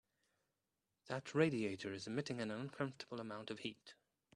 That radiator is emitting an uncomfortable amount of heat.